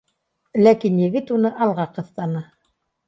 Ләкин егет уны алға ҡыҫтаны